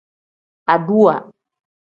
Aduwa.